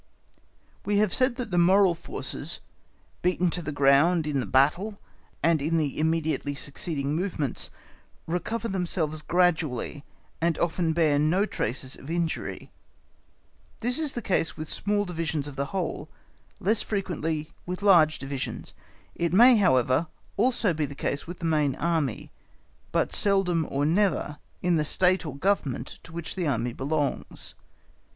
We have said that the moral forces, beaten to the ground in the battle and in the immediately succeeding movements, recover themselves gradually, and often bear no traces of injury; this is the case with small divisions of the whole, less frequently with large divisions; it may, however, also be the case with the main Army, but seldom or never in the State or Government to which the Army belongs.